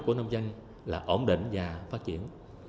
của nông dân là ổn định và phát triển